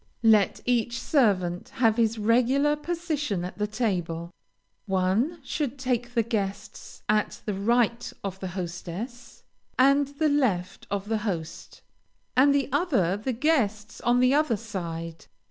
Let each servant have his regular position at the table. One should take the guests at the right of the hostess, and the left of the host; the other the guests on the other side.